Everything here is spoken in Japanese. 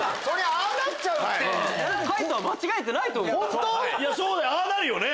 ああなるよね。